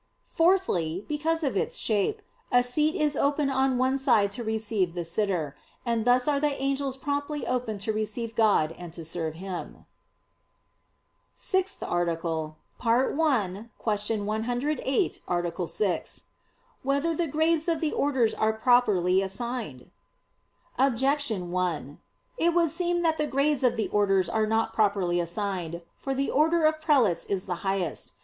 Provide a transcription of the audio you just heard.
Fourthly, because in its shape, a seat is open on one side to receive the sitter; and thus are the angels promptly open to receive God and to serve Him. _______________________ SIXTH ARTICLE [I, Q. 108, Art. 6] Whether the Grades of the Orders Are Properly Assigned? Objection 1: It would seem that the grades of the orders are not properly assigned. For the order of prelates is the highest.